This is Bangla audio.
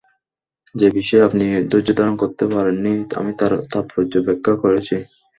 যে বিষয়ে আপনি ধৈর্যধারণ করতে পারেন নি আমি তার তাৎপর্য ব্যাখ্যা করছি।